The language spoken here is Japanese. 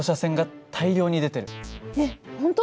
えっ本当？